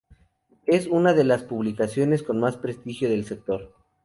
Es una de las publicaciones con más prestigio del sector.